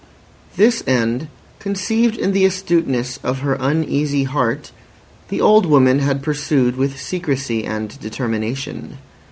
This end, conceived in the astuteness of her uneasy heart, the old woman had pursued with secrecy and determination.